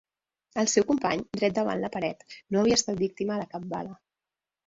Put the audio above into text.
El seu company, dret davant la paret, no havia estat víctima de cap bala.